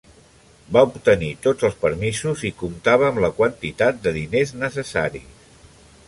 Va obtenir tots els permisos i comptava amb la quantitat de diners necessaris.